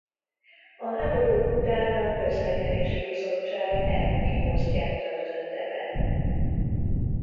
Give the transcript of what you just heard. A háború után a közlekedési bizottság elnöki posztját töltötte be.